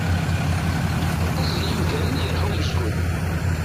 Aṭas n yimdanen i yerḥa umezgun.